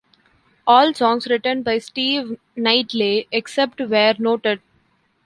All songs written by Steve Knightley, except where noted.